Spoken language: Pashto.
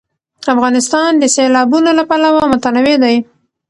افغانستان د سیلابونه له پلوه متنوع دی.